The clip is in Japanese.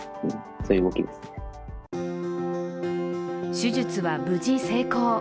手術は無事、成功。